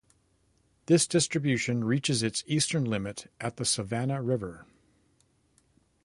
This distribution reaches its eastern limit at the Savannah River.